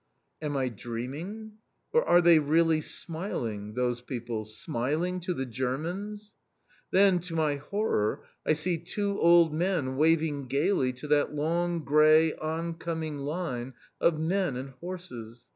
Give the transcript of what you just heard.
Am I dreaming? Or are they really smiling, those people, smiling to the Germans! Then, to my horror, I see two old men waving gaily to that long grey oncoming line of men and horses.